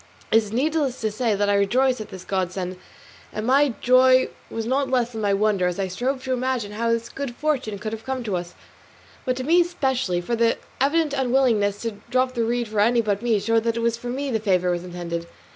It is needless to say I rejoiced over this godsend, and my joy was not less than my wonder as I strove to imagine how this good fortune could have come to us, but to me specially; for the evident unwillingness to drop the reed for any but me showed that it was for me the favour was intended.